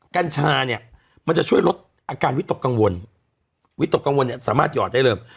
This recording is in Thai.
กัญชาเนี่ยมันจะช่วยลดอาการวิตกกังวลวิตกกังวลเนี่ยสามารถหยอดได้เลย